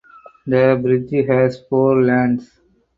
The bridge has four lanes.